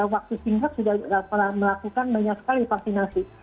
waktu singkat sudah melakukan banyak sekali vaksinasi